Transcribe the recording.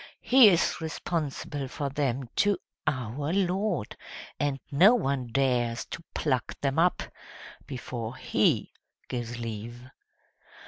He is responsible for them to OUR LORD, and no one dares to pluck them up before HE gives leave."